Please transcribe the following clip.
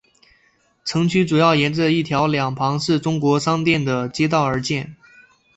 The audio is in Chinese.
城区主要沿着一条两旁是中国商店的街道而建。